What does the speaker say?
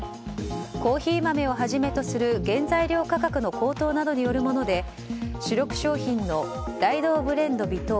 コーヒー豆をはじめとする原材料価格の高騰などによるもので主力商品のダイドーブレンド微糖